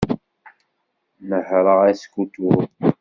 Nehreɣ askutur.